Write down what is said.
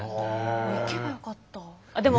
行けばよかった。